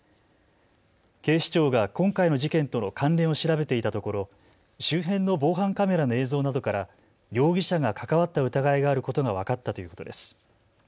警視庁が今回の事件との関連を調べていたところ、周辺の防犯カメラの映像などから容疑者が関わった疑いがあることが分かったということです。